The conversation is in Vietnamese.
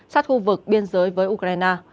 sát khu vực biên giới với ukraine